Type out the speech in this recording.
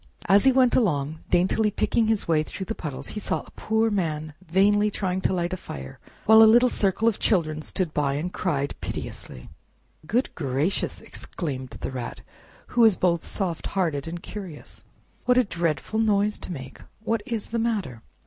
As he went along, daintily picking his way through the puddles, he Saw a Poor Man vainly trying to light a fire, while a little circle of children stood by, and cried piteously. "Goodness gracious!" exclaimed the Rat, who was both soft hearted and curious, "What a dreadful noise to make! What is the matter?"